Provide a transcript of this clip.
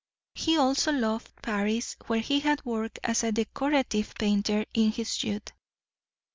He also loved Paris, where he had worked as a decorative painter in his youth.